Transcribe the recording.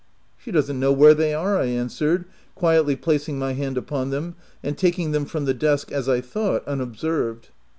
" She doesn't know where they are," I an swered, quietly placing my hand upon them, and taking them from the desk, as I thought, unobserved.